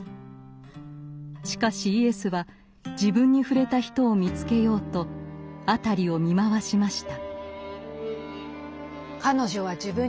しかしイエスは自分に触れた人を見つけようと辺りを見回しました。